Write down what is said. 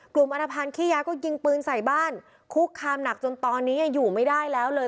อนภัณฑ์ขี้ยาก็ยิงปืนใส่บ้านคุกคามหนักจนตอนนี้อยู่ไม่ได้แล้วเลย